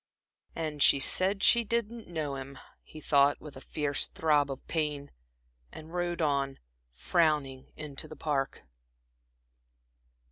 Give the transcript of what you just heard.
"And she said she didn't know him," he thought, with a fierce throb of pain, and rode on, frowning, into the Park.